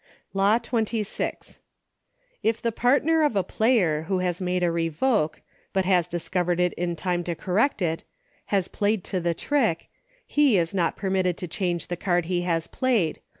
Law XXVI. If the partner of a player, who has made a revoke, but has discovered it in time to cor rect it, has played to the trick, he is not permitted to change the card he has played, 100 EUCHRE.